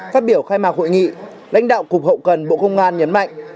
phát biểu khai mạc hội nghị lãnh đạo cục hậu cần bộ công an nhấn mạnh